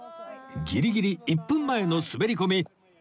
ギリギリ１分前の滑り込み